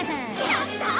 やったー！